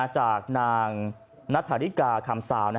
จากนางนัทธาริกาคำสาว